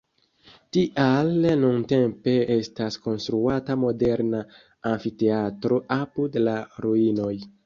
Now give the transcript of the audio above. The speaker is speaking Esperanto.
Tial nuntempe estas konstruata moderna amfiteatro apud la ruinoj.